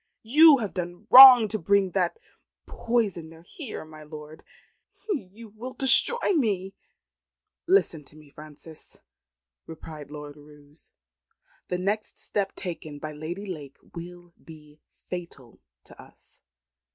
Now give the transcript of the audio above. You have done wrong to bring that poisoner here, my lord. You will destroy me." "Listen to me, Frances," replied Lord Roos. "The next step taken by Lady Lake will be fatal to us.